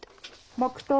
黙とう。